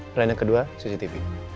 plannya kedua cctv